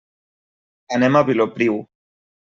Anem a Vilopriu.